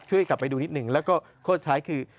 กลับไปดูนิดหนึ่งแล้วก็ข้อสุดท้ายคือ